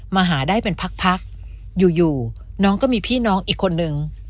มาหาได้เป็นพักอยู่อยู่น้องก็มีพี่น้องอีกคนนึง